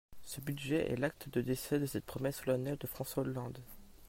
Ce budget est l’acte de décès de cette promesse solennelle de François Hollande.